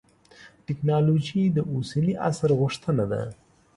تکنالوجي د اوسني عصر غوښتنه ده.